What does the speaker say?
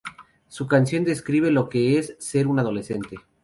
Su canción describe lo que es ser un adolescente.